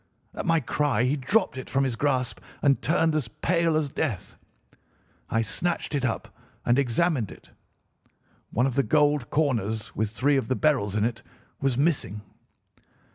At my cry he dropped it from his grasp and turned as pale as death. I snatched it up and examined it. One of the gold corners, with three of the beryls in it, was missing.